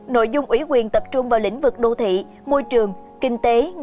nội dung ủy quyền tập trung vào lĩnh vực đô thị môi trường kinh tế